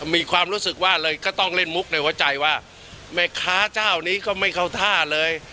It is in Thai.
มีความรู้สึกว่าเลยก็ต้องเล่นมุกในหัวใจว่าแม่ค้าเจ้านี้ก็ไม่เข้าท่าเลย